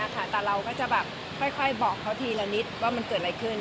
แต่เราก็จะแบบค่อยบอกเขาทีละนิดว่ามันเกิดอะไรขึ้น